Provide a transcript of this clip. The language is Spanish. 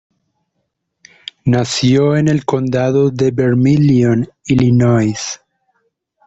Nació en el condado de Vermilion, Illinois.